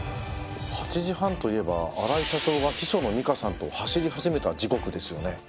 ８時半といえば荒井社長が秘書の美加さんと走り始めた時刻ですよね。